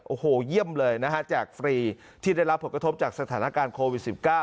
โอ้โหเยี่ยมเลยนะฮะแจกฟรีที่ได้รับผลกระทบจากสถานการณ์โควิด๑๙